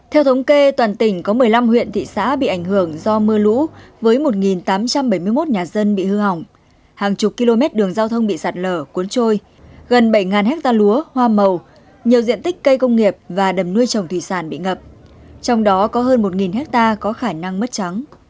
theo thống kê toàn tỉnh có một mươi năm huyện thị xã bị ảnh hưởng do mưa lũ với một tám trăm bảy mươi một nhà dân bị hư hỏng hàng chục km đường giao thông bị sạt lở cuốn trôi gần bảy ha lúa hoa màu nhiều diện tích cây công nghiệp và đầm nuôi trồng thủy sản bị ngập trong đó có hơn một ha có khả năng mất trắng